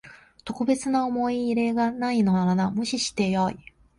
特別な思い入れがないのなら無視してよい